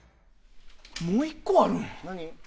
もう１個あるん？